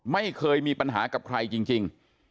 ไม่เคยมีปัญหากับใครจริง